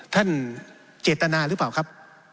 เจตนาหรือเปล่าครับ